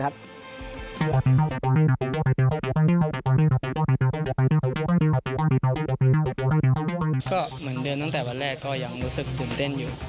ก็เหมือนเดิมตั้งแต่วันแรกก็ยังรู้สึกตื่นเต้นอยู่